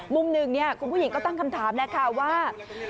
มุมหนึ่งคุณผู้หญิงก็ตั้งคำถามแล้วค่ะว่า